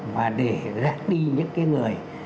và để gác đi những cái người